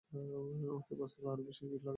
ওকে বাস্তবে আরও বেশি কিউট লাগে।